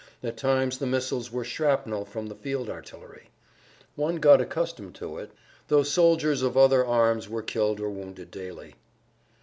At times the missiles were shrapnel from the field artillery. One got accustomed to it, though soldiers of other arms were killed or wounded daily.